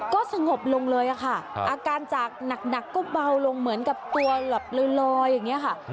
ก็สงบลงเลยค่ะอาการจากหนักก็เบาลงเหมือนกับตัวหลับลอยอย่างนี้ค่ะ